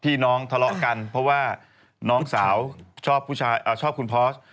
น้องทะเลาะกันเพราะว่าน้องสาวชอบคุณพอส